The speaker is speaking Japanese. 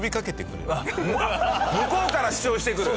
向こうから主張してくる。